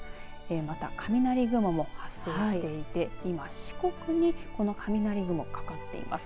また雷雲も発生していて今、四国にこの雷雲、かかっています。